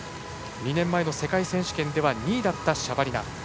２年前の世界選手権では２位だったシャバリナ。